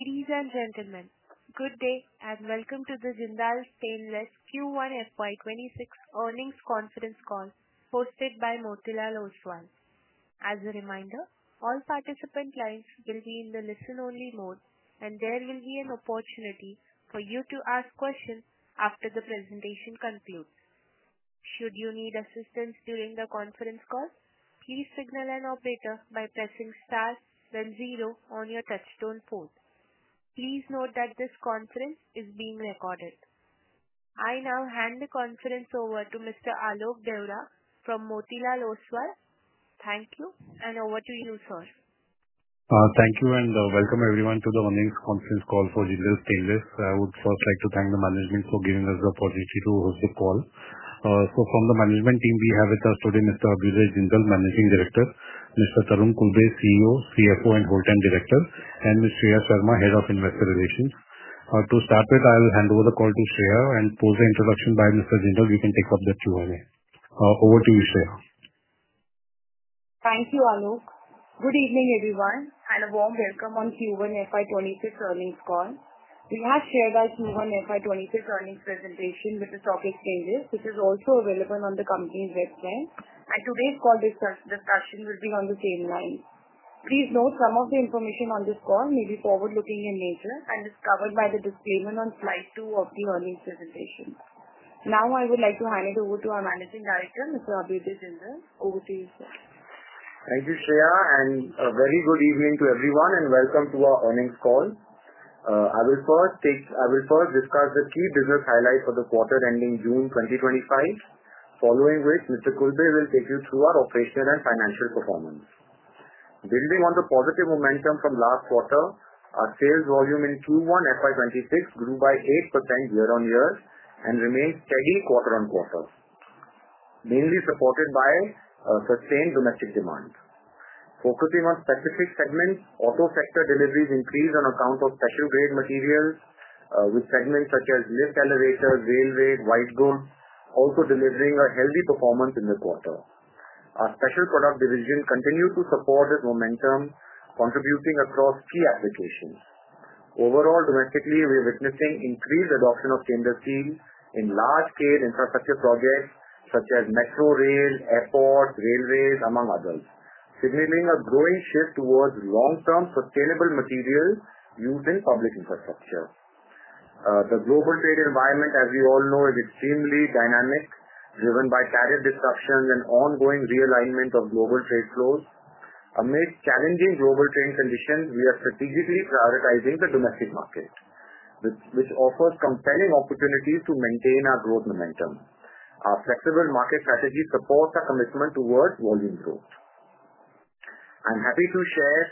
Ladies and gentlemen, good day and welcome to the Jindal Stainless Q1 FY 2026 earnings conference call hosted by Motilal Oswal. As a reminder, all participant lines will be in the listen-only mode, and there will be an opportunity for you to ask questions after the presentation concludes. Should you need assistance during the conference call, please signal an operator by pressing STAR then ZERO on your touchstone port. Please note that this conference is being recorded. I now hand the conference over to Mr. Alok Deora from Motilal Oswal. Thank you, and over to you, sir. Thank you and welcome everyone to the Earnings Conference Call for Jindal Stainless. I would first like to thank the management for giving us the opportunity to host the call. From the management team, we have with us today Mr. Abhyuday Jindal, Managing Director, Mr. Tarun Khulbe, CEO, CFO, and Whole-time Director, and Ms. Shreya Sharma, Head of Investor Relations. To start with, I'll hand over the call to Shreya and pose the introduction by Mr. Jindal. You can take up the Q&A. Over to you, Shreya. Thank you, Alok. Good evening, everyone, and a warm welcome on Q1 FY 2026 Earnings Call. We have here the Q1 FY 2026 earnings presentation with the topic changes, which is also available on the company's website. Today's call discussion will be on the same line. Please note some of the information on this call may be forward-looking in nature and is covered by the disclaimer on slide 2 of the earnings presentation. Now, I would like to hand it over to our Managing Director, Mr. Abhyuday Jindal. Over to you, sir. Thank you, Shreya, and a very good evening to everyone and welcome to our earnings call. I will first describe the key business highlights for the quarter ending June 2025, following which Mr. Khulbe will take you through our operational and financial performance. Building on the positive momentum from last quarter, our sales volume in Q1 FY 2-26 grew by 8% year-on-year and remained steady quarter-on-quarter, mainly supported by sustained domestic demand. Focusing on specific segments, auto sector deliveries increased on account of special-grade materials, with segments such as lift elevators, railways, white goods also delivering a healthy performance in the quarter. Our special product division continued to support the momentum, contributing across key applications. Overall, domestically, we're witnessing increased adoption of stainless steel in large scale infrastructure projects such as metro rail, airports, railways, among others, signaling a growing shift towards long-term sustainable materials used in public infrastructure. The global trade environment, as we all know, is extremely dynamic, driven by tariff disruptions and ongoing realignment of global trade flows. Amidst challenging global trade conditions, we are strategically prioritizing the domestic markets, which offers compelling opportunities to maintain our growth momentum. Our flexible market strategy supports our commitment towards volume growth. I'm happy to share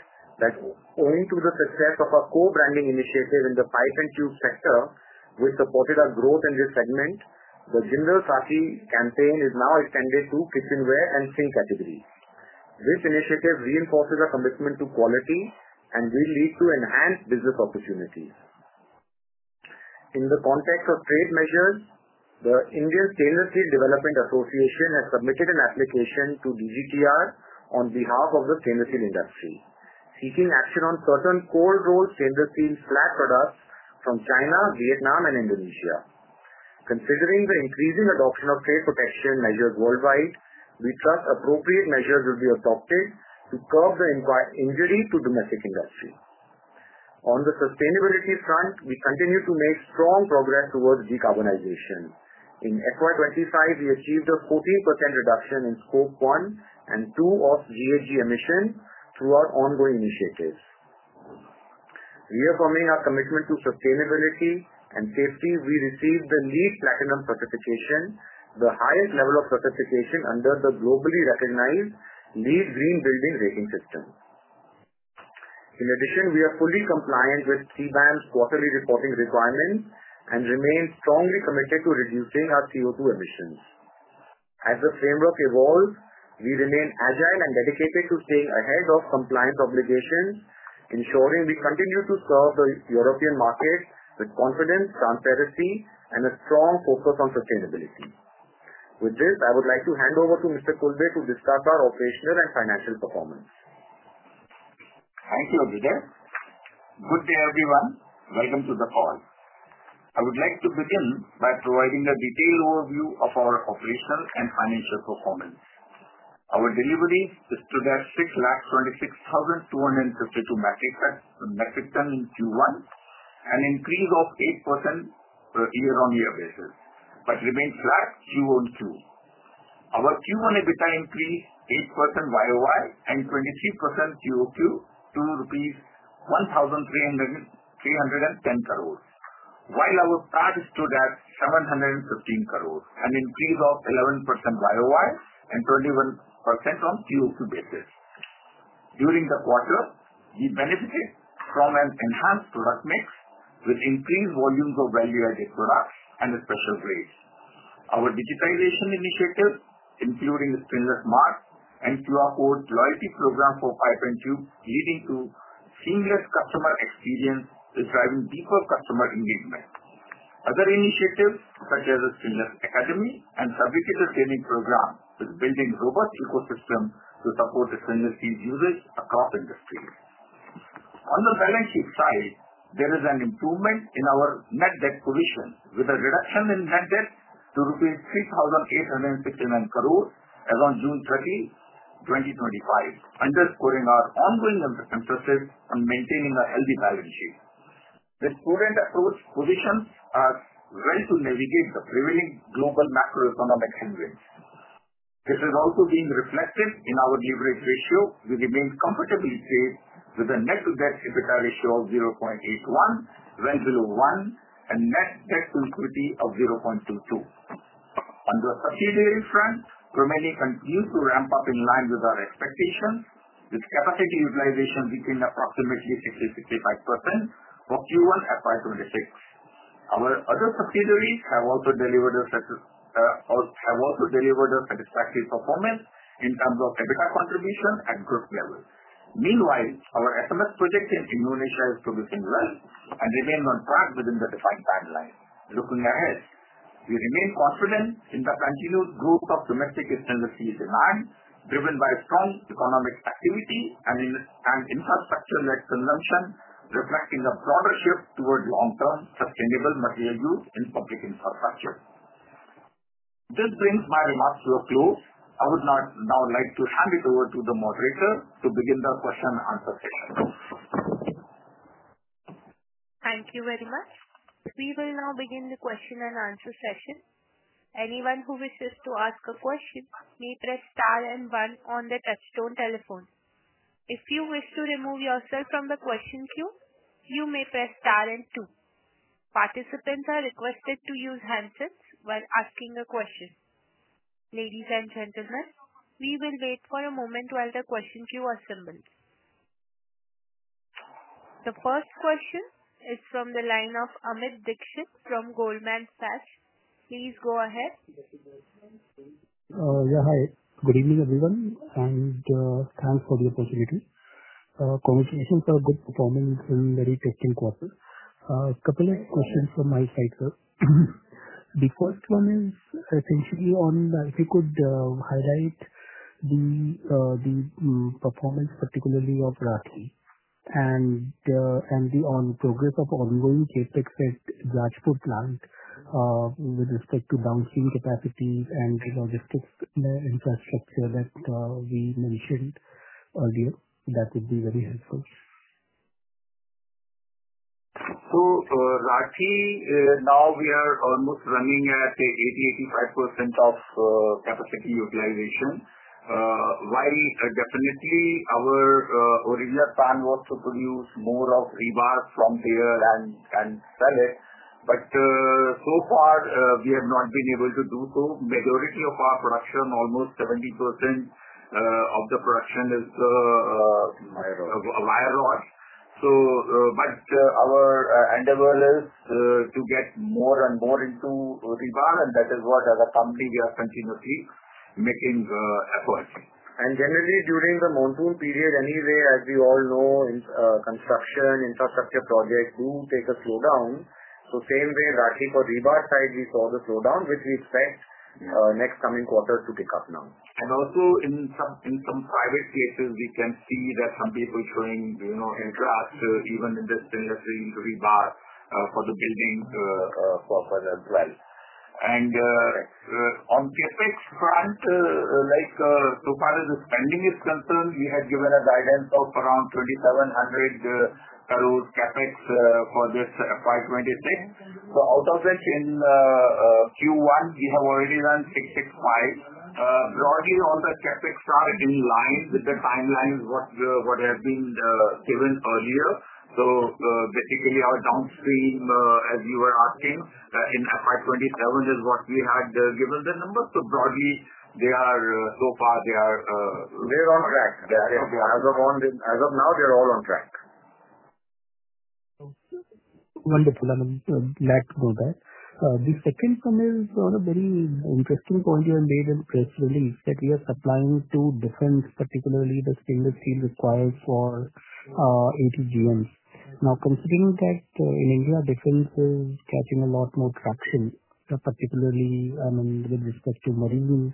that owing to the success of our co-branding initiative in the pipe and tube sector, which supported our growth in this segment, the Jindal Saathi campaign is now extended to kitchenware and sink categories. This initiative reinforces our commitment to quality and will lead to enhanced business opportunities. In the context of trade measures, the Indian Stainless Steel Development Association has submitted an application to DGTR on behalf of the stainless steel industry, seeking action on certain cold rolled stainless steel flat products from China, Vietnam, and Indonesia. Considering the increasing adoption of trade protection measures worldwide, we trust appropriate measures will be adopted to curb the injury to domestic industry. On the sustainability front, we continue to make strong progress towards decarbonization. In FY 2025, we achieved a 14% reduction in Scope 1 and 2 of GHG emissions through our ongoing initiatives. Reaffirming our commitment to sustainability and safety, we received the LEED Platinum Certification, the highest level of certification under the globally recognized LEED Green Building Rating System. In addition, we are fully compliant with CBAM's quarterly reporting requirements and remain strongly committed to reducing our CO2 emissions. As the framework evolves, we remain agile and dedicated to staying ahead of compliant obligations, ensuring we continue to serve the European market with confidence, transparency, and a strong focus on sustainability. With this, I would like to hand over to Mr. Khulbe to discuss our operational and financial performance. Thank you, Abhyuday. Good day, everyone. Welcome to the call. I would like to begin by providing a detailed overview of our operational and financial performance. Our deliveries exceeded 602,625 metric tons in Q1, an increase of 8% on a year-on-year basis, but remained flat QoQ. Our Q1 EBITDA increased 8% YoY and 23% QoQ to rupees 1,310 crores, while our CapEx stood at 715 crores, an increase of 11% YoY and 21% on QoQ basis. During the quarter, we benefited from an enhanced product mix, which increased volumes of value-added products and special grades. Our digitization initiatives, including the Stainless mart and QR code loyalty program for pipe and tube, are leading to seamless customer experience and driving deeper customer engagement. Other initiatives, such as the Stainless Academy and Fabricator Training Program build a robust ecosystem to support the stainless steel usage across industries. On the balance sheet side, there is an improvement in our net debt position with a reduction in net debt to rupees 3,869 crores as on June 30, 2025, underscoring our ongoing emphasis in maintaining a healthy balance sheet. The prudent approach positions us well to navigate the prevailing global macro-economic headwinds. This is also being reflected in our leverage ratio, which remains comfortably stable with a net debt-EBITDA ratio of 0.81, well below 1, and net-debt-to-equity of 0.22. On the subsidiary front, revenue continues to ramp up in line with our expectations, with capacity utilization reaching approximately 60%-65% in Q1 FY 2026. Our other subsidiaries have also delivered a satisfactory performance in terms of capital contribution and growth levels. Meanwhile, our SMS project in Indonesia is progressing well and remains on-track within the defined timeline. Looking ahead, we remain confident in the continued growth of domestic stainless-steel demand, driven by strong economic activity and infrastructure-led consumption, reflecting a broader shift towards long-term sustainable material use in public infrastructure. This brings my remarks to a close. I would now like to hand it over to the moderator to begin the question and answer session. Thank you very much. We will now begin the question and answer session. Anyone who wishes to ask a question may press star and one on the touchstone telephone. If you wish to remove yourself from the question queue, you may press star and two. Participants are requested to use handsets while asking a question. Ladies and gentlemen, we will wait for a moment while the question queue assembles. The first question is from the line of Amit Dixit from Goldman Sachs. Please go ahead. Yeah, hi. Good evening, everyone, and thanks for the opportunity. Congratulations for a good performance in very interesting quarter. A couple of questions from my side, sir. The first one is essentially on if you could highlight the performance, particularly of Rathi, and the on progress of ongoing CapEx at Jajpur plant, with respect to downstream capacity and logistics infrastructure that we mentioned earlier. That would be very helpful. Rathi, now we are almost running at 80%-85% of capacity utilization. While definitely our original plan was to produce more of rebar from here and sell it, so far, we have not been able to do so. The majority of our production, almost 70% of the production, is a wire rod. Our endeavor is to get more and more into rebar, and that is what as a company we are continuously making efforts. Generally, during the monsoon period anyway, as we all know, construction infrastructure projects do take a slowdown. The same way, Rathii, for rebar side, we saw the slowdown, which we expect next coming quarter to pick up now. Also, in some private places, we can see that some people showing interest even in the stainless steel rebar for the building purpose as well. On the CapEx front, so far as the spending is concerned, we had given a guidance of around 2,700 crores CapEx for this FY 2026. Out of that, in Q1, we have already done 665 crores. Broadly, all the CapEx are in line with the timeline that has been given earlier. Basically, our downstream, as you were asking, in FY 2027 is what we had given the number. Broadly, they are so far, they are on-track. They are as of now, they're all on-track. Wonderful. I'm glad to hear that. The second one is a very interesting point you have made in the press release that we are supplying to defense, particularly the stainless steel required for ATGMs. Now, considering that in India, defense is catching a lot more traction, particularly with respect to marine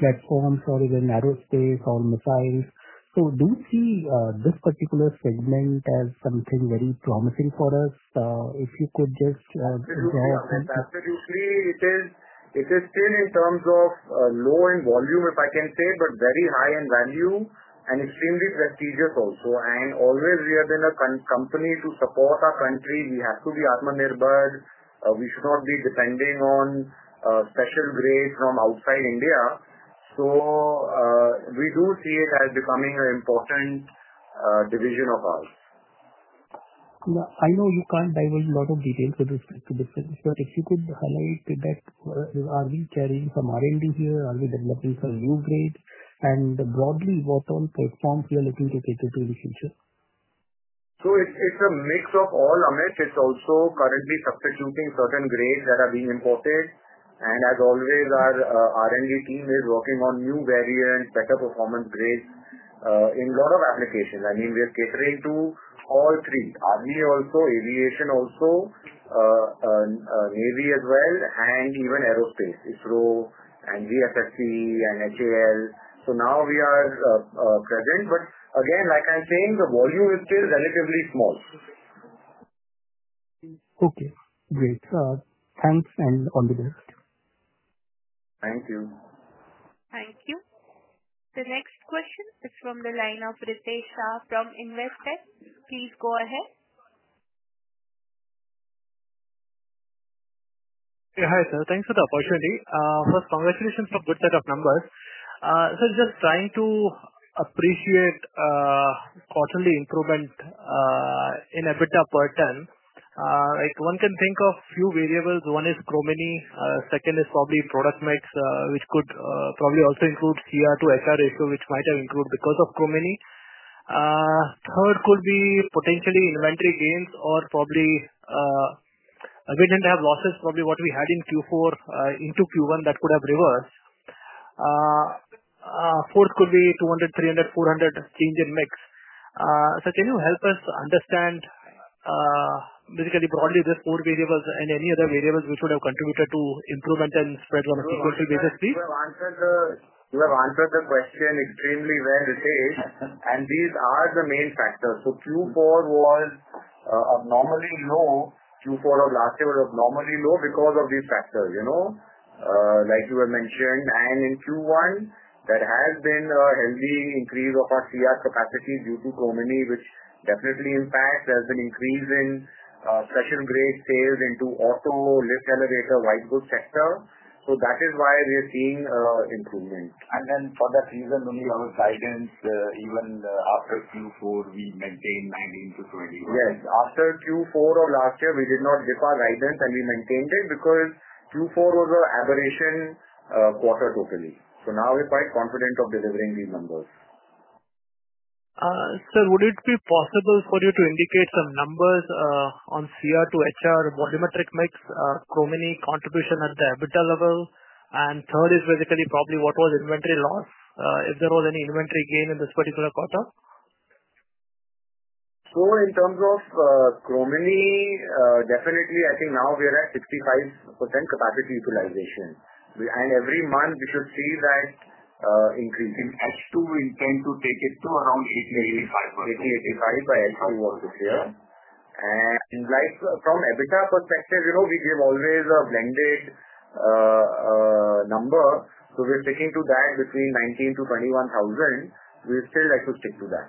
platforms or even aerospace or missiles, do you see this particular segment as something very promising for us? If you could just draw a sense of. Absolutely. It is still in terms of low in volume, if I can say, but very high in value and extremely prestigious also. We have always been a company to support our country. We have to be self-sufficient (Atmanirbhar). We should not be depending on special grades from outside India. We do see it as becoming an important division of ours. I know you can't divulge a lot of details with respect to defense, but if you could highlight the best, are we carrying some R&D here? Are we developing some new grades? Broadly, what are the platforms you are looking to cater to in the future? It is a mix of all, Amit. It is also currently substituting certain grades that are being imported. As always, our R&D team is working on new variants, better performance grades in a lot of applications. I mean, we are catering to all three. R&D also, aviation also, navy as well, and even aerospace, ISRO and HAL. We are present. Again, the volume is still relatively small. Okay. Great, thanks and all the best. Thank you. Thank you. The next question is from the line of Ritesh Shah from Investec. Please go ahead. Yeah, hi, sir. Thanks for the opportunity. First, congratulations for a good set of numbers. Sir, just trying to appreciate a quarterly improvement in EBITDA per ton. Like one can think of a few variables. One is Chromeni. Second is probably product mix, which could probably also include CR to HR ratio, which might have improved because of Chromeni. Third could be potentially inventory gains or probably a reason to have losses, probably what we had in Q4 into Q1 that could have reversed. Fourth could be 200, 300, 400 change in mix. Can you help us understand basically broadly these four variables and any other variables which would have contributed to improvement and spread on a sequential basis please? You have answered the question extremely well, Ritesh. These are the main factors. Q4 was abnormally low. Q4 of last year was abnormally low because of these factors, you know, like you were mentioning. In Q1, there has been a healthy increase of our CR capacity due to Chromeni, which definitely impacts. There's been increase in special grade sales into auto, lift elevator, white goods sector. That is why we are seeing improvement. For that reason, when you have a guidance, even after Q4, we maintain 19,000-21,000. Yes. After Q4 of last year, we did not dip our guidance, and we maintained it because Q4 was an aberration quarter totally. Now we're quite confident of delivering these numbers. Sir, would it be possible for you to indicate some numbers on CR to HR volumetric mix, Chromeni contribution at the EBITDA level? Third is basically what was inventory loss. Is there any inventory gain in this particular quarter? In terms of Chromeni, definitely, I think now we're at 65% capacity utilization, and every month we should see that increase. In H2, we tend to take it to around 80%-85%. 80%-85% by H2 of this year. From an EBITDA perspective, you know, we give always a blended number. We're sticking to that between 19,000-21,000. We're still likely to stick to that.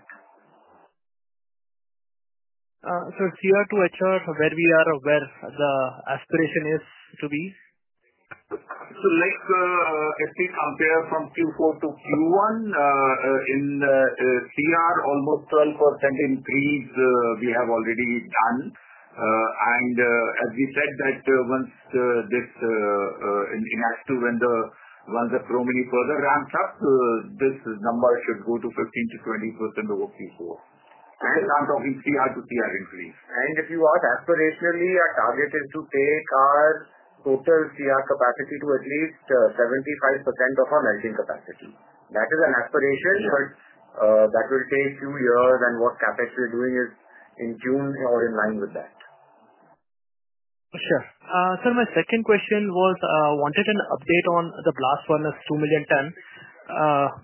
CR to HR, for where we are aware, the aspiration is for these? If we compare from Q4 to Q1, in the CR, almost 12% increase, we have already done. As we said that once Chromeni further ramps up, this number should go to 15%-20% over Q4. And. In terms of in CR to CR increase. Aspirationally, our target is to take our total CR capacity to at least 75% of our melting capacity. That is an aspiration, but that will take a few years, and what CapEx we're doing is in tune or in line with that. Sure. Sir, my second question was, I wanted an update on the blast furnace 2 million ton,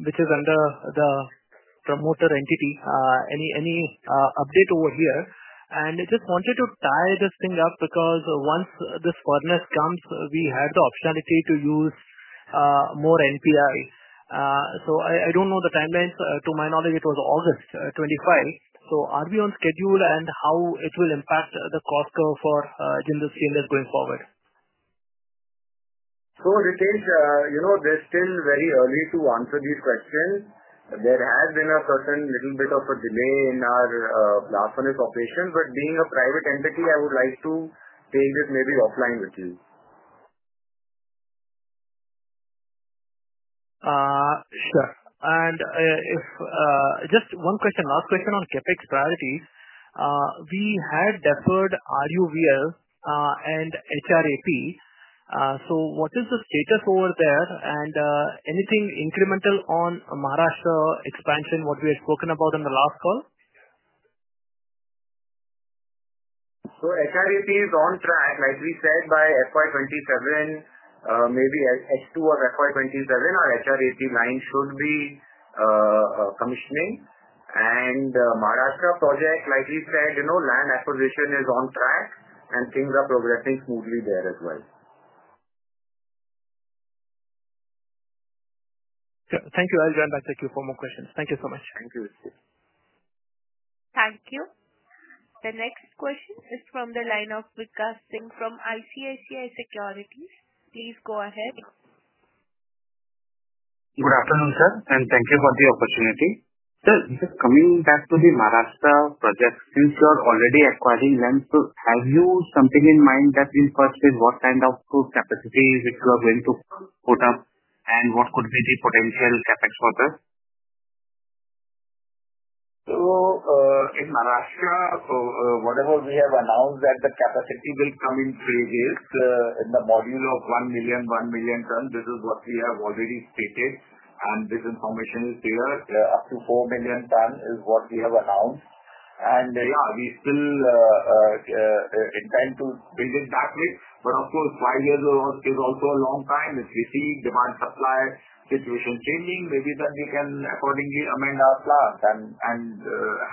which is under the promoter entity. Any update over here? I just wanted to tie this thing up because once this furnace comes, we had the optionality to use more NPIs. I don't know the timelines. To my knowledge, it was August 2025. Are we on schedule and how will it impact the cost curve for Jindal Stainless going forward? Ritesh, you know, it's still very early to answer these questions. There has been a certain little bit of a delay in our blast furnace operation. Being a private entity, I would like to take this maybe offline with you. Sure. Just one question, last question on CapEx priorities. We had deferred RVPL and HRAP. What is the status over there? Anything incremental on Maharashtra expansion, what we had spoken about in the last call? HRAP is on track. Like we said, by FY 2027, maybe H2 of FY 2027, our HRAP line should be commissioning. The Maharashtra project, like we said, land acquisition is on-track, and things are progressing smoothly there as well. Thank you. I'll join back to qeueu for more questions. Thank you so much. Thank you, Ritesh. Thank you. The next question is from the line of Vikas Singh from ICICI Securities. Please go ahead. Good afternoon, sir, and thank you for the opportunity. Sir, this is coming in task to the Maharashtra project. Since you're already acquiring land, have you something in mind that in the first place, what kind of capacity is it you are going to put up, and what could be the potential CapEx for this? In Maharashtra, whatever we have announced that the capacity will come in phases, in the module of 1 million, 1 million ton, this is what we have already stated. This information is there. Up to 4 million tons is what we have announced. We still intend to build it that way. Of course, five years is also a long time. If we see demand-supply situation changing, maybe then we can accordingly amend our plans and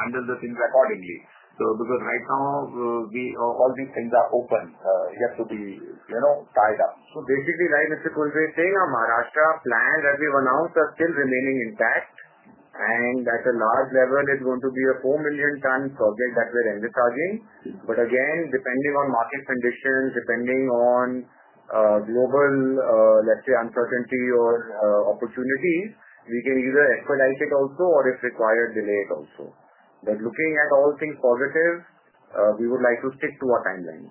handle the things accordingly. Right now, all the things are open. It has to be tied up. Basically, Mr. Khulbe is saying our Maharashtra plans as we were announced are still remaining intact. At a large level, there's going to be a 4 million ton project that we're targeting. Again, depending on market conditions, depending on global uncertainty or opportunities, we can either expedite it also or, if required, delay it also. Looking at all things positive, we would like to stick to our timelines.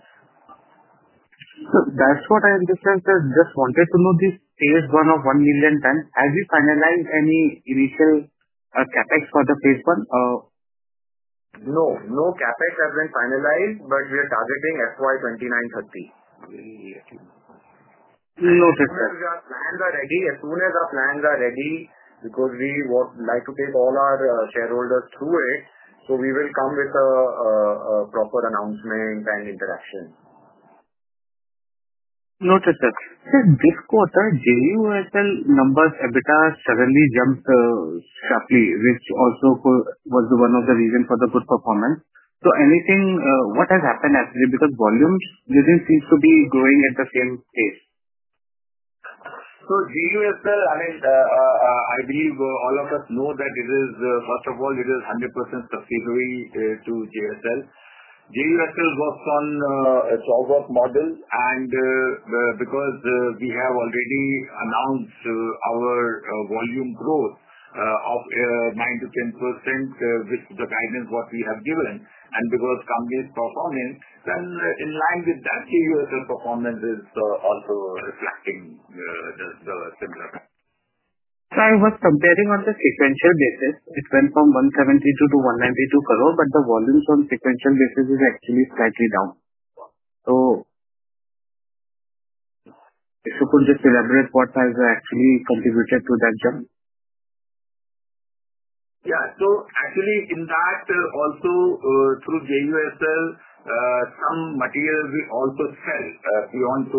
That's what I understand. I just wanted to know this Phase-1 of 1 million ton, have you finalized any initial CapEx for the Phase-1? No. No CapEx has been finalized, but we are targeting FY 2029-2030. Noted. As soon as our plans are ready, because we would like to take all our shareholders through it, we will come with a proper announcement and interaction. Noted. Sir, this quarter, JUSL numbers EBITDA suddenly jumped sharply, which also was one of the reasons for the poor performance? Is there anything, what has happened actually because volumes didn't seem to be growing at the same pace? JUSL, I mean, I believe all of us know that this is, first of all, it is 100% subsidiary to JUSL. JUSL works on a forward model. Because we have already announced our volume growth of 9%-10% with the guidance we have given, and because company is performing, in line with that, JUSL performance is also reflecting similar. I was comparing on the sequential basis. It went from 172 crores-192 crores, but the volume from sequential basis is actually slightly down. If you could just elaborate what has actually contributed to that jump? Yeah, in that, also through JUSL, some materials we also sell beyond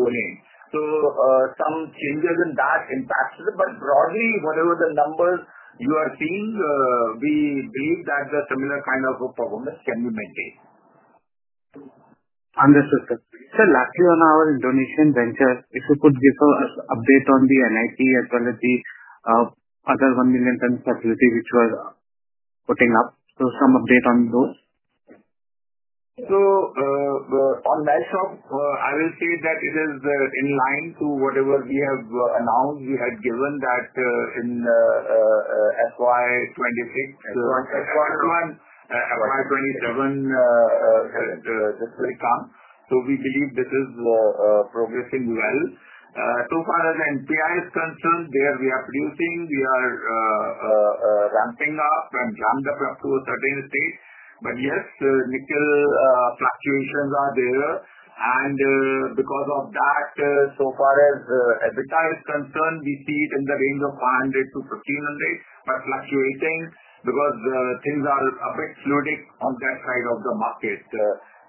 tolling. Some changes in that impacted. Broadly, whatever the numbers you are seeing, we believe that the similar kind of performance can be maintained. Understood, sir. Sir, lastly, on our Indonesian venture, if you could give us an update on the NPI as well as the other 1 million ton facility which we're putting up. Some update on those. On that shop, I will say that it is in line with whatever we have announced. We had given that in FY 2026 and FY 2027, so we believe this is progressing well. As far as NPI is concerned, there we are producing. We are ramping up and jumped up to a certain state. Yes, nickel fluctuations are there, and because of that, as far as EBITDA is concerned, we see it in the range of 500 to 1,500, but fluctuating because things are a bit floating on that side of the market,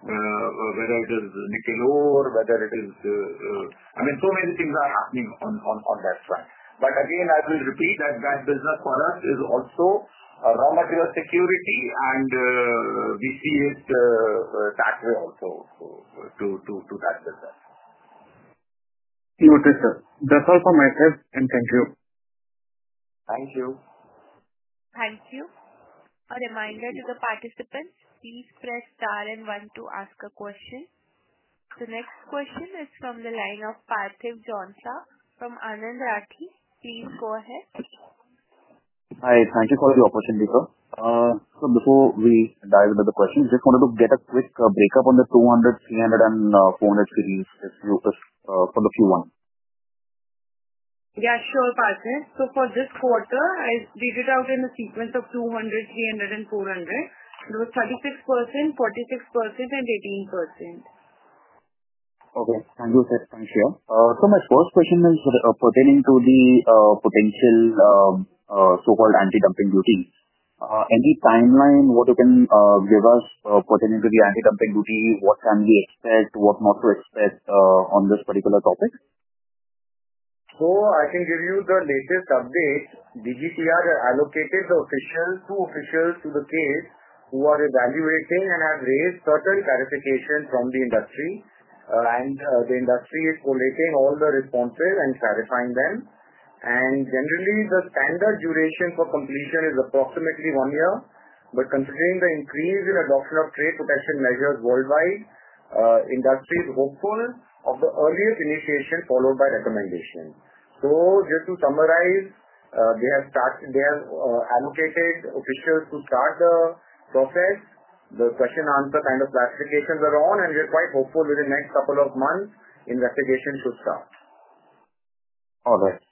whether it is nickel or, I mean, so many things are happening on that front. I will repeat that business for us is also a raw material security, and we see it that way also to that business. Noted, sir. That's all from myself, and thank you. Thank you. Thank you. A reminder to the participants, please press star and one to ask a question. The next question is from the line of Parthiv Jhonsa from Anand Rathi. Please go ahead. Hi. Thank you for the opportunity, sir. Before we dive into the questions, I just wanted to get a quick breakup on the 200, 300, and 400 series for the Q1. Yeah, sure, Parthiv. For this quarter, I did it out in the sequence of 200, 300, and 400. There was 36%, 46%, and 18%. Okay, thank you, Shreya My first question is pertaining to the potential so-called anti-dumping duty. Any timeline you can give us pertaining to the anti-dumping duty? What can we expect? What not to expect on this particular topic? I can give you the latest updates. DGTR allocated the officials, two officials to the case who are evaluating and have raised certain clarifications from the industry. The industry is collating all the responses and clarifying them. Generally, the standard duration for completion is approximately one year. Considering the increase in adoption of trade protection measures worldwide, industry is hopeful of the earliest initiation followed by recommendation. To summarize, they have allocated officials to start the process. The question-answer kind of clarifications are on, and we're quite hopeful within the next couple of months, investigation should start. All right.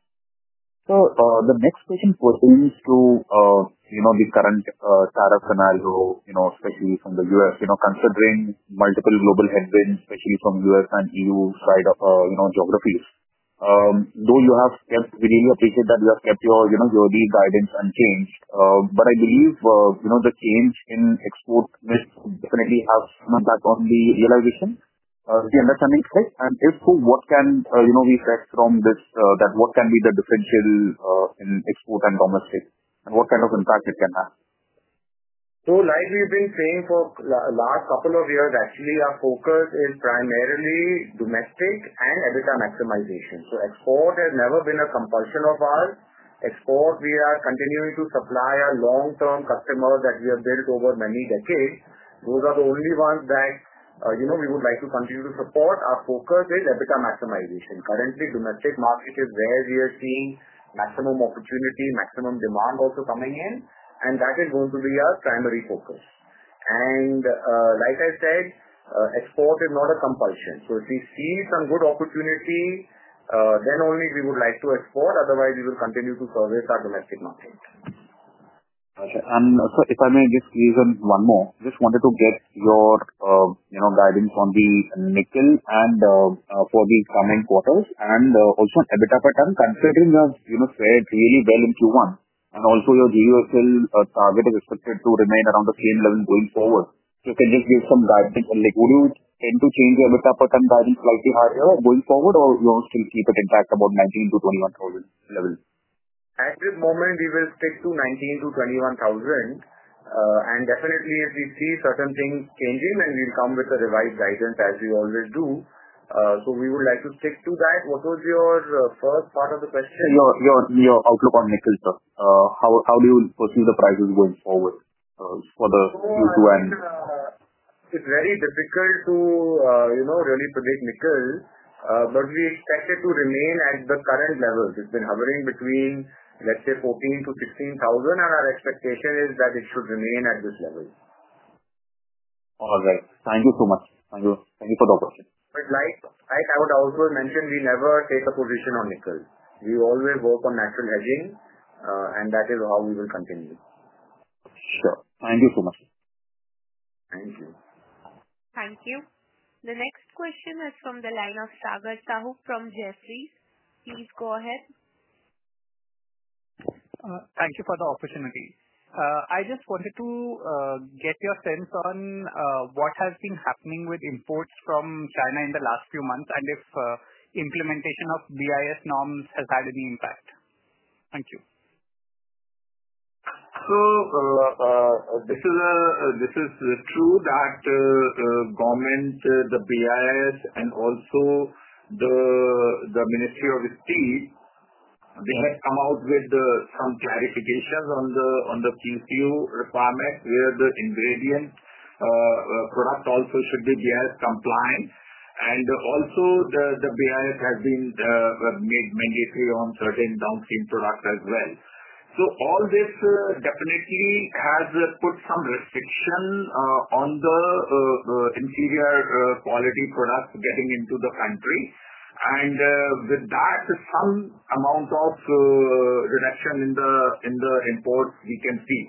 The next question pertains to the current status and also, especially from the U.S., considering multiple global headwinds, especially from U.S. and EU geographies. We really appreciate that you have kept your lead guidance unchanged. I believe the change in export definitely has come back on the realization. Is the understanding right? If so, what can we fetch from this, that what can be the differential in export and domestic? What kind of impact can it have? Like we've been saying for the last couple of years, actually, our focus is primarily domestic and EBITDA maximization. Export has never been a compulsion of ours. Export, we are continuing to supply our long-term customers that we have built over many decades. Those are the only ones that, you know, we would like to continue to support. Our focus is EBITDA maximization. Currently, domestic market is where we are seeing maximum opportunity, maximum demand also coming in. That is going to be our primary focus. Like I said, export is not a compulsion. If we see some good opportunity, then only we would like to export. Otherwise, we will continue to service our domestic market. Of course, if I may just raise one more, just wanted to get your guidance on the nickel and for the coming quarters and also on EBITDA pattern, considering you have said really well in Q1. Also, your JUSL target is expected to remain around the same level going forward. If you can just give some drive, would you tend to change your EBITDA pattern guidance slightly higher going forward, or you'll still keep it in fact about 19,000-21,000 level? At the moment, we will stick to 19,000-21,000. If we see certain things changing, then we'll come with a revised guidance as we always do. We would like to stick to that. What was your first part of the question? Your outlook on nickel, sir? How do you perceive the prices going forward? It's very difficult to, you know, really predict nickel, but we expect it to remain at the current level. It's been hovering between, let's say, 14,000-16,000, and our expectation is that it should remain at this level. All right. Thank you so much. Thank you. Thank you for the opportunity. I would also mention, we never take a position on nickel. We always work on natural hedging, and that is how we will continue. Sure. Thank you so much. Thank you. Thank you. The next question is from the line of Sagar Sahu from Jefferies. Please go ahead. Thank you for the opportunity. I just wanted to get your sense on what has been happening with imports from China in the last few months, and if implementation of BIS norms has had any impact. Thank you. This is true that the government, the BIS, and also the Ministry of Steel have come out with some clarifications on the QCO requirements where the ingredient product also should be BIS compliant. Also, the BIS has been made mandatory on certain downstream products as well. All this definitely has put some restriction on the inferior quality products getting into the factory. With that, some amount of reduction in the imports can be seen.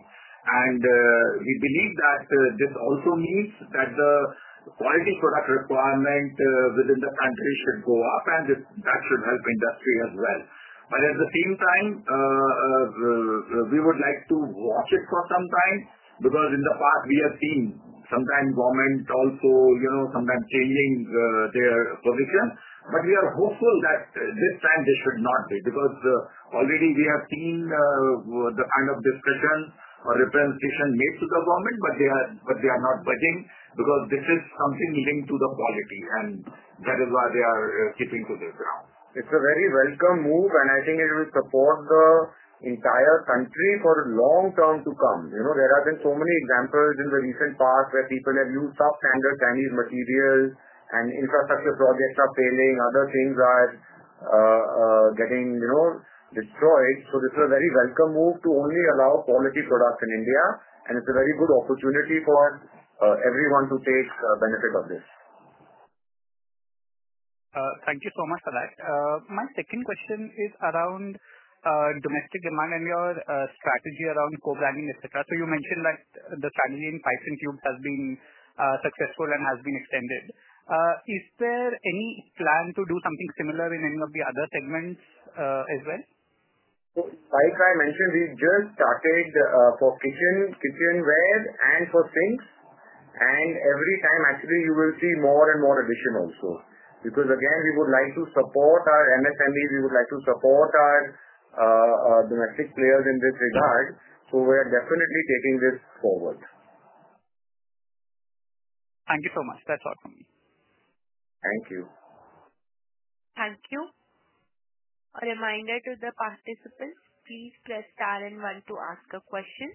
We believe that this also means that the quality product requirement within the country should go up, and that should help the industry as well. At the same time, we would like to watch it for some time because in the past, we have seen sometimes the government, you know, sometimes changing their position. We are hopeful that this time they should not be because already we have seen the kind of discussion or repel decision made to the government, but they are not budging because this is something linked to the quality. That is why they are keeping to this ground. It's a very welcome move, and I think it will support the entire country for the long term to come. There have been so many examples in the recent past where people have used substandard Chinese materials, and infrastructure projects are failing. Other things are getting, you know, destroyed. This is a very welcome move to only allow quality products in India. It's a very good opportunity for everyone to take benefit of this. Thank you so much for that. My second question is around domestic demand and your strategy around co-branding, etc. You mentioned that the family in pipe and tubes has been successful and has been extended. Is there any plan to do something similar in any of the other segments as well? Like I mentioned, we just started for kitchenware and for sinks. Every time, actually, you will see more and more addition also. We would like to support our MSMEs. We would like to support our domestic players in this regard. We are definitely taking this forward. Thank you so much. That's all from me. Thank you. Thank you. A reminder to the participants, please press star and one to ask a question.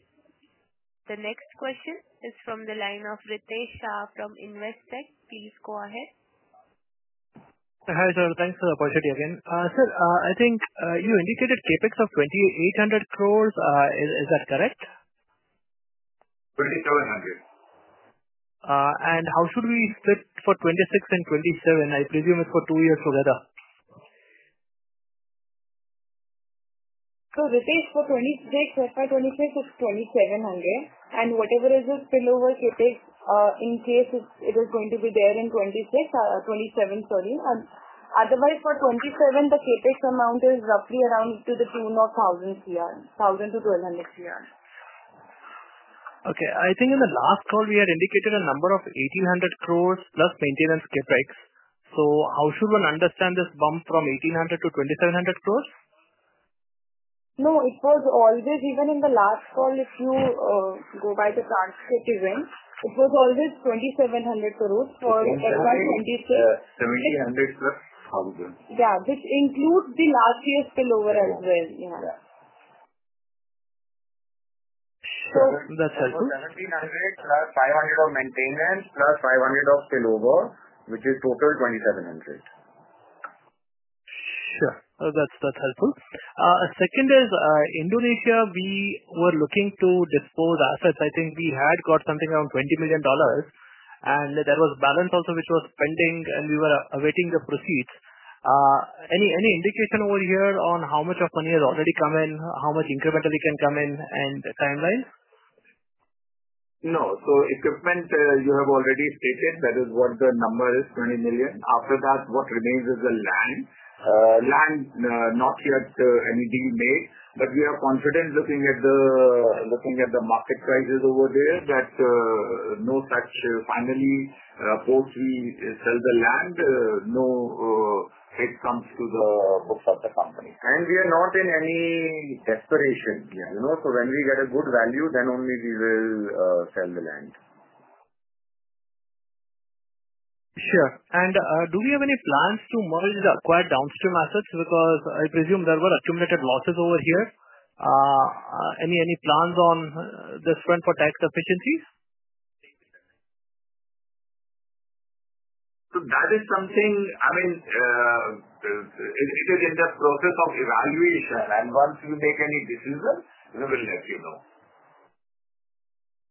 The next question is from the line of Ritesh Shah from Investec. Please go ahead. Hi, sir. Thanks for the opportunity again. Sir, I think you indicated CapEx of 2,800 crores. Is that correct? 2,700 crores. How should we split for 2026 and 2027? I presume it's for two years together. This is for FY 2026 of 2,700 crore. Whatever is the spillover CapEx, in case it is going to be there in 2026-27, sorry. Otherwise, for 2027, the CapEx amount is roughly around to the tune of 1,000 crore, 1,000 crores - 1,200 crore. Okay. I think in the last call, we had indicated a number of 1,800 crore + maintenance CapEx. How should one understand this bump from 1,800 crore-2,700 crore? No, it was always, even in the last call, if you go by the transcript, it was always INR 2,700 crores. Sorry, that's why. 1,700 crore + 1,000 crore. Yeah, which includes last year's spillover as well, yeah. INR 1700 crores + INR 500 crores of maintenance + INR 500 crores of spillover, which is total INR 2,700 crores. Sure. That's helpful. A second is, in Indonesia, we were looking to dispose. I think we had got something around $20 million, and there was balance also with those pending, and we were awaiting the proceeds. Any indication over here on how much of money has already come in, how much incrementally can come in, and the timeline? No. Equipment, you have already stated that is what the number is, $20 million. After that, what remains is the land. Land, not yet anything made, but we are confident looking at the market prices over there that no touch to finally pursue the land. No head comes to the books of the company. We are not in any desperation here. You know, when we get a good value, then only we will sell the land. Do we have any plans to merge the acquired downstream assets? I presume there were accumulated losses over here. Any plans on this front for tax efficiencies? That is something, I mean, it is in the process of evaluation. Once we make any decisions, we will let you know.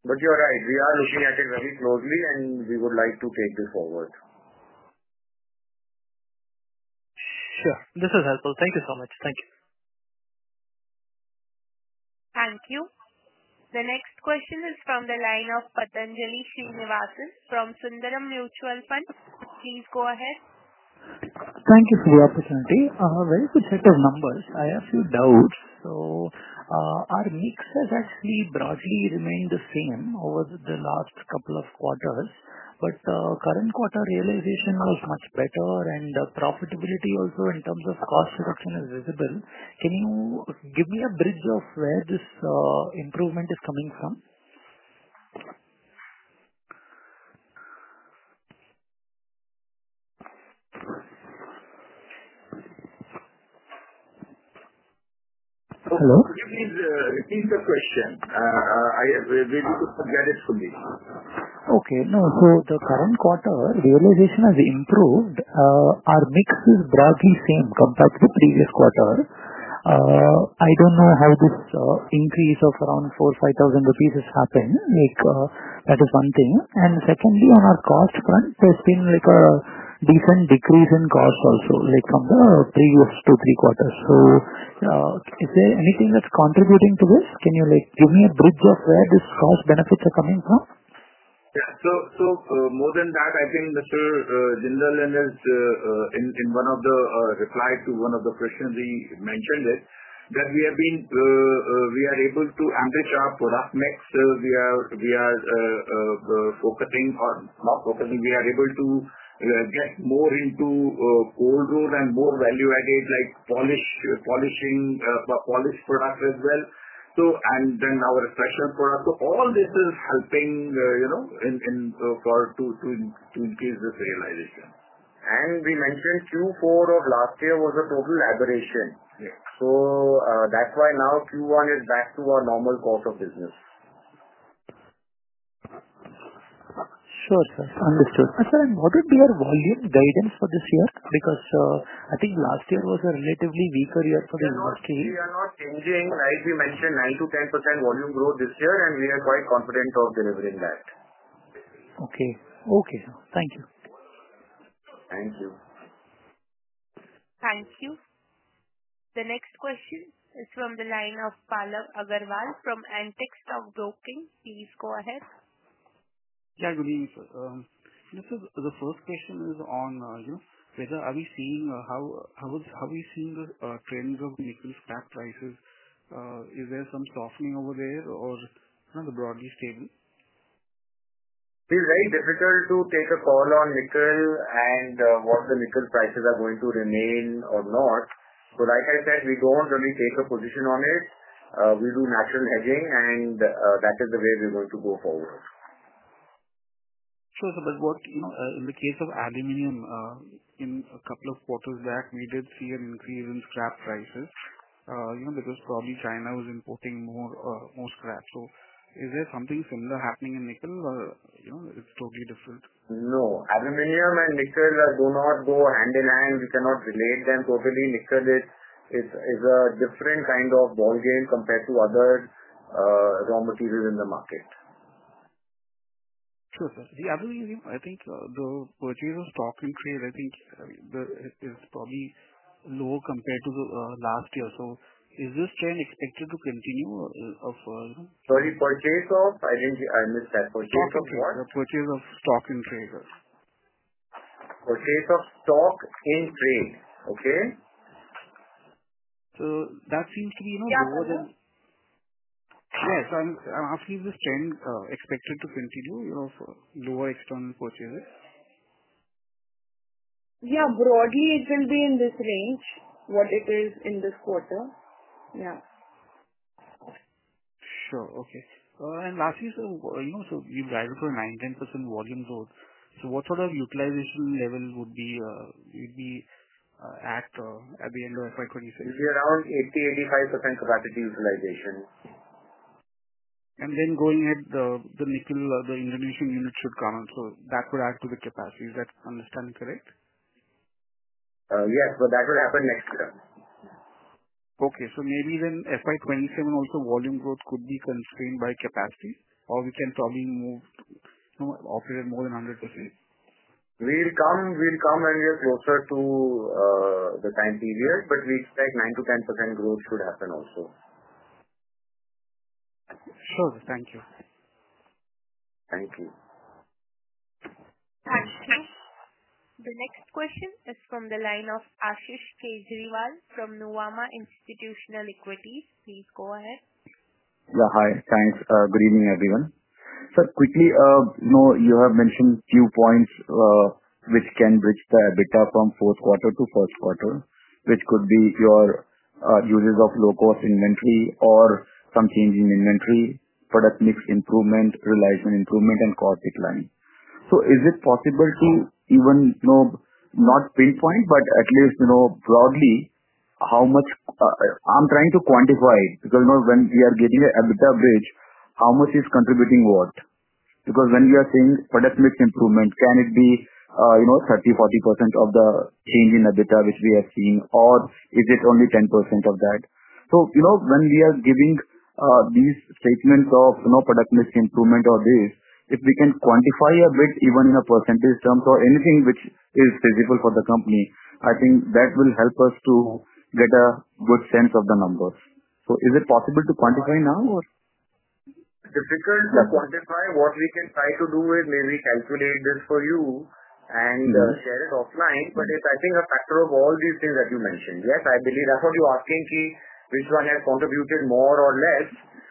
You're right, we are looking at it very closely, and we would like to take this forward. Sure, this is helpful. Thank you so much. Thank you. Thank you. The next question is from the line of Patanjali Srinivasan from Sundaram Mutual Fund. Please go ahead. Thank you for the opportunity. A very good set of numbers. I have a few doubts. Our mix as I see broadly remained the same over the last couple of quarters. The current quarter realization was much better, and the profitability also in terms of cost reduction is visible. Can you give me a bridge of where this improvement is coming from? Oh, no. Please repeat the question. I really forgot it fully. Okay. No, for the current quarter, realization has improved. Our mix is broadly the same compared to the previous quarter. I don't know how this increase of around 4,000-5,000 rupees has happened. That is one thing. Secondly, on our cost front, there's been a decent decrease in costs also from the previous two or three quarters. Is there anything that's contributing to this? Can you give me a bridge of where these cost benefits are coming from? Yeah, more than that, I think Mr. Jindal in one of the replies to one of the questions, he mentioned it that we have been, we are able to amplify product mix. We are focusing on, we are able to inject more into older and more value-added like polishing products as well. Then our special product. All this is helping, you know, to increase this realization. We mentioned Q4 of last year was a total aberration. That's why now Q1 is back to our normal quarter business. Sure, sir. Understood. Sir, what is your volume guidance for this year? I think last year was a relatively weaker year for the industry. We are not changing, as we mentioned, 9%-10% volume growth this year, and we are quite confident of delivering that. Okay. Okay, sir. Thank you. Thank you. Thank you. The next question is from the line of Pallav Agarwal from Antique Stock Broking. Please go ahead. Good evening, sir. The first question is on whether we are seeing, how are we seeing the trends of nickel scrap prices? Is there some softening over there, or are they broadly stable? It is very difficult to take a call on nickel and what the nickel prices are going to remain or not. Like I said, we don't really take a position on it. We do natural hedging, and that is the way we're going to go forward. Sure, sir. In the case of aluminum, a couple of quarters back, we did see an increase in scrap prices because probably China was importing more scrap. Is there something similar happening in nickel, or is it totally different? No. Aluminum and nickel do not go hand in hand. We cannot relate them totally. Nickel is a different kind of ballgame compared to other raw materials in the market. Sure, sir. The other reason, I think, the purchase of stock in sale is probably lower compared to last year. Is this trend expected to continue? Sorry, purchase of, I missed that. Purchase of what? The purchase of stock in traders, sir. Purchase of stock in trade, okay. That seems to be, you know, lower than. Yes. Pallav Yes, is this trend expected to continue for lower external purchases? Yeah, broadly it will be in this range, what it is in this quarter. Sure. Okay. Lastly, you guys are going to 9%-10% volume growth. What sort of utilization level would you be at at the end of FY 2026? It would be around 80%-85% capacity utilization. The nickel, the Indonesian unit should come in. That would add to the capacity. Is that understanding correct? Yes, that would happen next year. Okay. Maybe then FY 2027 also volume growth could be constrained by capacity, or we can probably move, you know, operate more than 100%? We'll come various closer to the time period, but we expect 9%-10% growth should happen also. Sure. Thank you. Thank you. Thank you. The next question is from the line of Ashish Kejriwal from Nuvama Institutional Equities. Please go ahead. Yeah, hi. Thanks. Good evening, everyone. Sir, quickly, you have mentioned a few points which can bridge the EBITDA from fourth quarter to first quarter, which could be if you are users of low-cost inventory or some change in inventory, product mix improvement, realization improvement, and cost decline. Is it possible to even, not pinpoint, but at least broadly, how much? I'm trying to quantify because when we are getting the EBITDA bridge, how much is contributing what? When we are saying product mix improvement, can it be 30% or 40% of the change in EBITDA which we are seeing, or is it only 10% of that? When we are giving these statements of product mix improvement or this, if we can quantify a bit, even in percentage terms or anything which is visible for the company, I think that will help us to get a good sense of the numbers. Is it possible to quantify now? Difficult to quantify. What we can try to do is maybe calculate this for you and share it offline. If I think a factor of all these things that you mentioned, yes, I believe that's what you're asking me, which one has contributed more or less.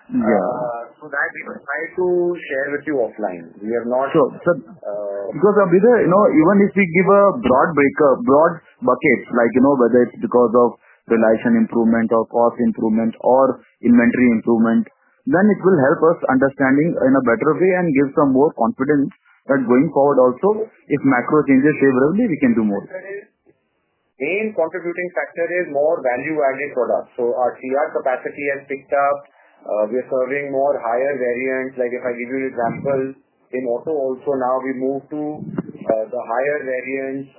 We will try to share with you offline. We have not. Sure. Because of either, you know, even if we give a broad breakup, broad buckets, like, you know, whether it's because of realization improvement or cost improvement or inventory improvement, it will help us understand in a better way and give some more confidence that going forward also, if macro-changes favorably, we can do more. The main contributing factor is more value-added products. Our CR capacity has picked up. We're serving more higher variants. Like if I give you an example, in auto also now we moved to the higher variants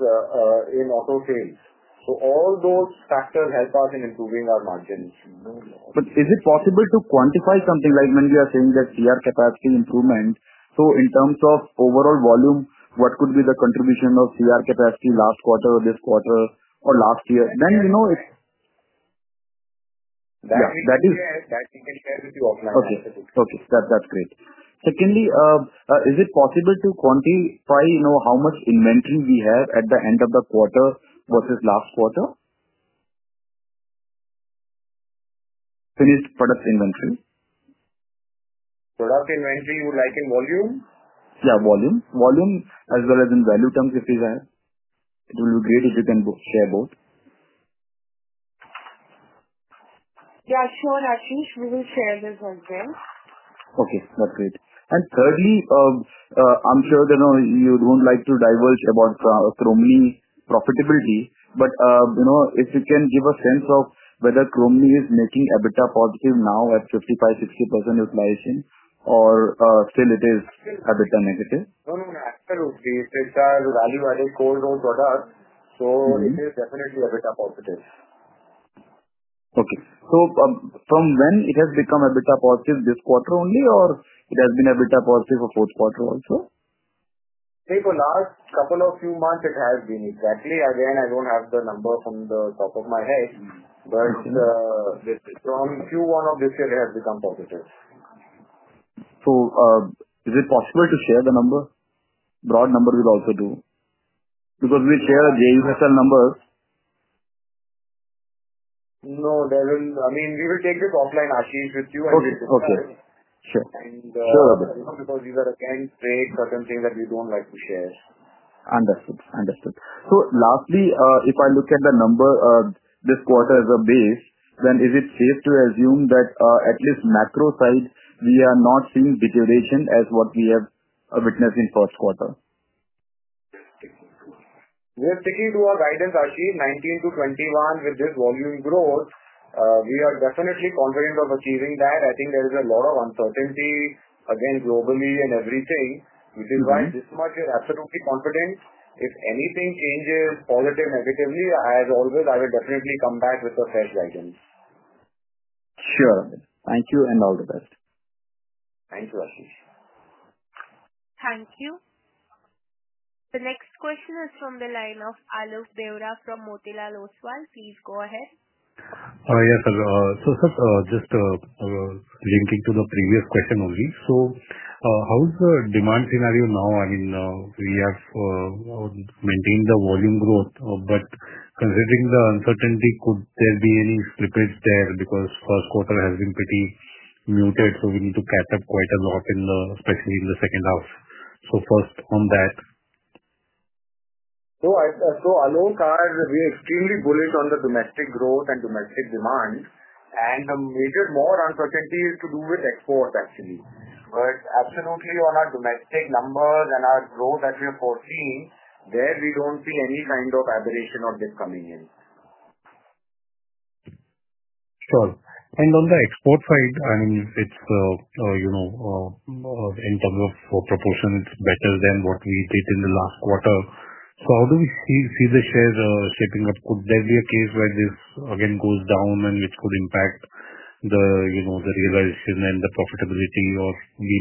in auto sales. All those factors help us in improving our margins. Is it possible to quantify something like when we are saying that CR capacity improvement? In terms of overall volume, what could be the contribution of CR capacity last quarter, this quarter, or last year? If that is, we can share with you offline. Okay. That's great. Secondly, is it possible to quantify how much inventory we have at the end of the quarter vs last quarter? Finished product inventory. Product inventory you would like in volume? Yeah, volume. Volume as well as in value terms if you have. It would be great if you can share both. Yeah, sure. Ashish, we will share this as well. Okay. That's great. Thirdly, I'm sure you know, you don't like to divulge about Chromeni profitability, but you know if you can give a sense of whether Chromeni is making EBITDA positive now at 55%, 60% inflation, or still it is EBITDA negative? No, no. It's a value-added core growth product, so it is definitely EBITDA positive. Okay. From when has it become EBITDA positive, this quarter only, or has it been EBITDA positive for the fourth quarter also? Take the last couple of months, it has been exactly. I don't have the number from the top of my head, but from Q1 of this year, it has become positive. Is it possible to share the number? Broad number will also do. Because we share JUSL numbers. No, there isn't. I mean, we will take this offline, Ashish, with you and with. Okay. Sure. These are again certain trade sensitive things that we would like to share. Understood. Understood. Lastly, if I look at the number this quarter as a base, is it safe to assume that at least on the macro-side, we are not seeing deterioration as we witnessed in the first quarter? We are sticking to our guidance, Ashish, 19 to 21 with this volume growth. We are definitely confident of achieving that. I think there is a lot of uncertainty, again, globally and everything. We did well. This much, we are absolutely confident. If anything changes positive or negatively, as always, I will definitely come back with a fresh guidance. Sure. Thank you, and all the best. Thank you, Ashish. Thank you. The next question is from the line of Alok Deora from Motilal Oswal. Please go ahead. Yes, sir. Just linking to the previous question only, how is the demand scenario now? I mean, we have maintained the volume growth, but considering the uncertainty, could there be any slippage there because the first quarter has been pretty muted? We need to catch up quite a lot, especially in the second half. First on that. We are extremely bullish on the domestic growth and domestic demand. The major more uncertainty is to do with exports, actually. Absolutely on our domestic numbers and our growth that we have foreseen, there we don't see any kind of aberration of this coming in. On the export side, in terms of proportion, it's better than what we did in the last quarter. How do we see the shares stepping up? Could there be a case where this goes down again, which could impact the realization and the profitability, or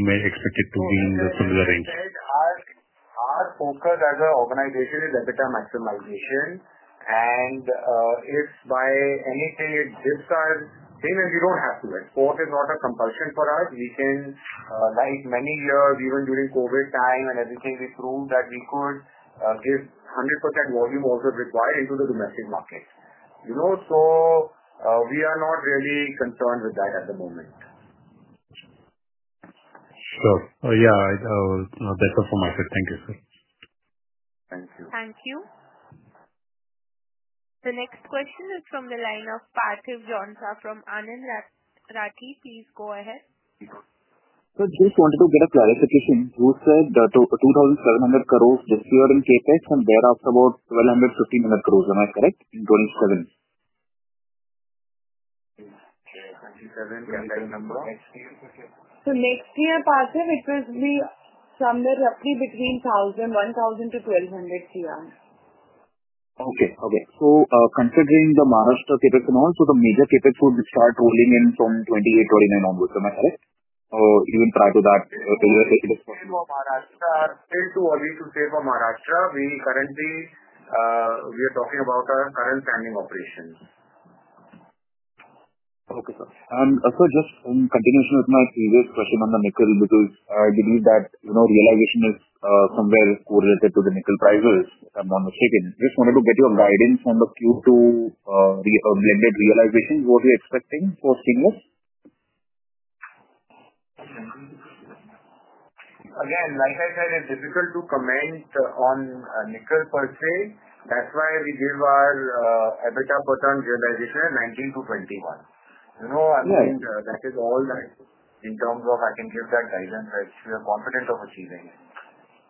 may we expect it to be in the similar range? Our focus as an organization is EBITDA maximization. If by anything, it dips down, you don't have to export. It is not a compulsion for us. We can, like many years, even during COVID time and everything, we proved that we could give 100% volume also required into the domestic markets. We are not really concerned with that at the moment. Sure. Yeah, that is all from my side. Thank you, sir. Thank you. Thank you. The next question is from the line of Parthiv Jhonsa from Anand Rathi. Please go ahead. I just wanted to get a clarification. You said that INR 2,700 crores this year in CapEx and thereafter about 1,200 crores-1,500 crores. Am I correct? 2027 numbers, next year. Next year, Parthiv, it will be somewhere roughly between 1,000 crore-1,200 crore. Okay. Considering the Maharashtra CapEx and all, the major CapEx would start rolling in from 2028, 2029 onwards, am I correct? Even prior to that, there was a CapEx. We are still too early to say for Maharashtra. Currently, we are talking about our current standing operations. Okay, sir. Sir, just in continuation of my previous question on the nickel, because I believe that, you know, realization is somewhere correlated to the nickel prices. I'm not mistaken. Just wanted to get your guidance on the Q2, the blended realization. What are you expecting for stainless? Again, like I said, it's difficult to comment on nickel per se. That's why we give our EBITDA per ton realization at 19,000-21,000. I'm saying that is all that in terms of I can give that guidance. I'm confident of achieving it.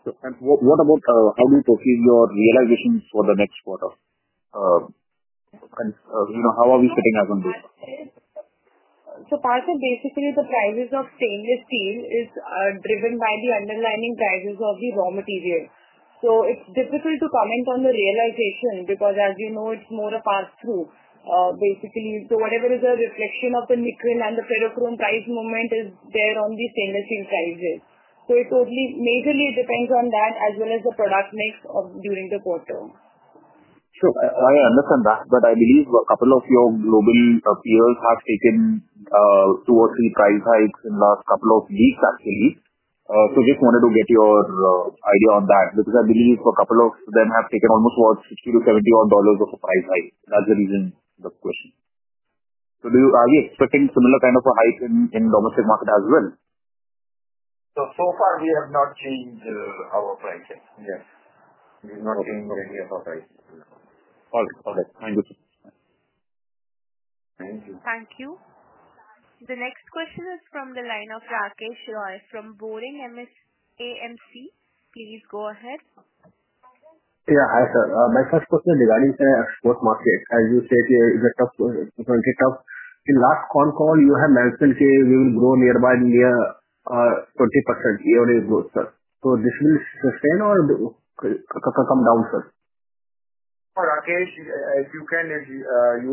What about how we perceive your realizations for the next quarter? How are we sitting out on this? Parthiv, basically, the prices of stainless steel are driven by the underlying prices of the raw material. It's difficult to comment on the realization because, as you know, it's more a pass-through. Whatever is a reflection of the nickel and the ferrochrome price movement is there on the stainless steel prices. It totally majorly depends on that as well as the product mix during the quarter. Sure, I understand that. I believe a couple of your global peers have taken two or three price hikes in the last couple of weeks, actually. I just wanted to get your idea on that because I believe a couple of them have taken almost $60-$70 of a price hike. That's the reason for the question. Are you expecting a similar kind of a hike in the domestic market as well? So far, we have not changed our prices. Yes, we have not changed any of our prices. All right, thank you. Thank you. Thank you. The next question is from the line of Rakesh Roy from Boring AMC. Please go ahead. Yeah, hi, sir. My first question is regarding the export market. As you stated, it is currently tough. In the last call, you have mentioned we will grow near by India 20% year-over-year growth, sir. This will stay or come down, sir? Rakesh, if you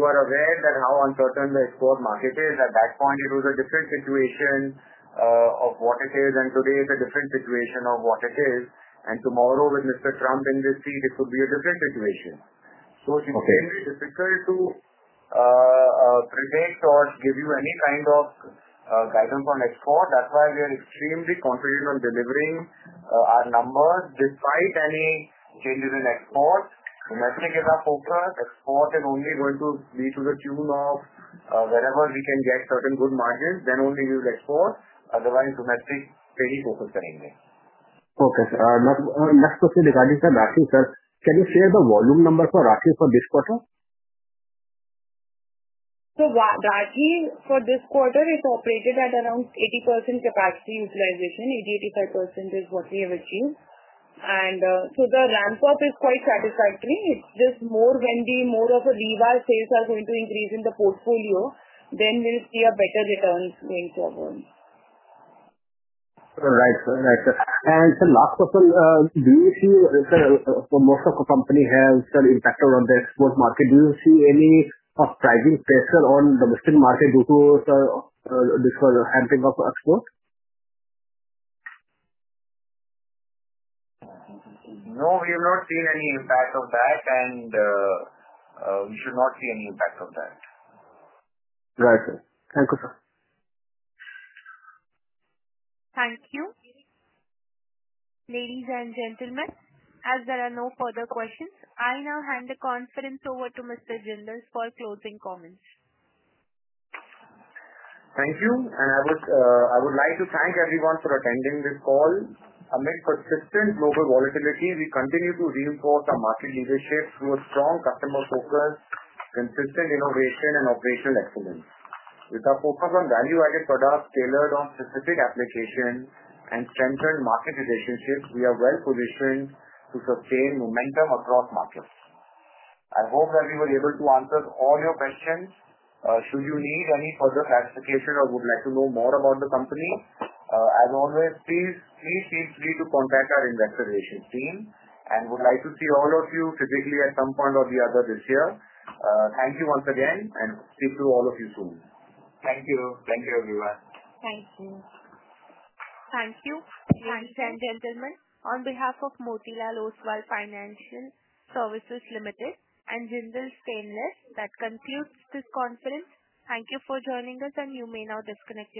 are aware that how uncertain the export market is, at that point, it was a different situation of what it is. Today is a different situation of what it is. Tomorrow, with Mr. Trump in this seat, it could be a different situation. It's difficult to predict or give you any kind of guidance on export. That's why we are extremely confident on delivering our number despite any changes in export. Domestic is our focus. Export is only going to be to the tune of wherever we can get certain good margins, then only we will export. Otherwise, domestic is very focused currently. Okay. Next question regarding the Rathi, sir. Can you share the volume number for Rathi for this quarter? For this quarter, it's operating at around 80% capacity utilization. 80%-85% is what we have achieved. The ramp-up is quite satisfactory. It's just more when more of rebar sales are going to increase in the portfolio, then we'll see a better return going forward. Right, sir. Right, sir. The last question, do you see, sir, for most of the companies have sort of impacted on the export market? Do you see any pricing pressure on the Western market due to, sir, this sort of handling of export? No, we have not seen any impact of that. We should not see any impact of that. Right, sir. Thank you, sir. Thank you. Ladies and gentlemen, as there are no further questions, I now hand the conference over to Mr. Jindal for closing comments. Thank you. I would like to thank everyone for attending this call. Amid persistent global volatility, we continue to reinforce our market leadership through a strong customer focus, consistent innovation, and operational excellence. With our focus on value-added products tailored on specific applications and strengthened market relationships, we are well positioned to sustain momentum across markets. I hope that we were able to answer all your questions. Should you need any further clarification or would like to know more about the company, as always, please feel free to contact our Investor Relations team. We would like to see all of you physically at some point or the other this year. Thank you once again and speak to all of you soon. Thank you. Thank you, everyone. Thank you. Thank you. Thank you. Ladies and gentlemen, on behalf of Motilal Oswal and Jindal Stainless, that concludes this conference. Thank you for joining us, and you may now disconnect.